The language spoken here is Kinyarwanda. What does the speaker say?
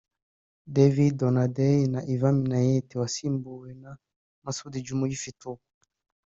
David Donadei na Ivan Minnaert wasimbue na Masudi Juma uyifite ubu